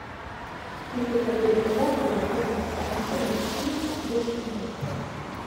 È tuttavia ricordata per alcune partecipazioni a film del cinema italiano.